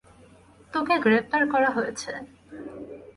তোকে গ্রেফতার করা হয়েছে।